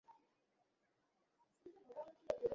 অহ, দুঃখিত, মাফ করবেন।